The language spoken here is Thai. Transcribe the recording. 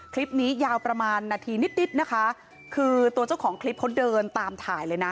คลิปนี้ยาวประมาณนาทีนิดนิดนะคะคือตัวเจ้าของคลิปเขาเดินตามถ่ายเลยนะ